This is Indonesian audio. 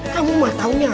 kamu mah taunya